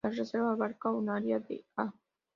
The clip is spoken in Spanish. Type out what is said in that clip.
La reserva abarca un área de ha.